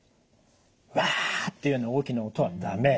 ウワっていうような大きな音は駄目。